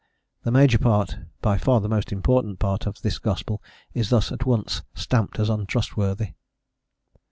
The major part, by far the most important part, of this gospel is thus at once stamped as untrustworthy.